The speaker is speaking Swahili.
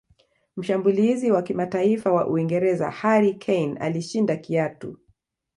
mshambulizi wa kimataifa wa uingereza harry kane alishinda kiatu